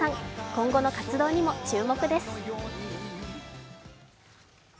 今後の活動にも注目です。